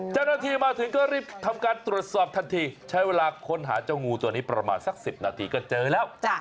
เจ้าหน้าที่มาถึงก็รีบทำการตรวจสอบทันทีใช้เวลาค้นหาเจ้างูตัวนี้ประมาณสัก๑๐นาทีก็เจอแล้ว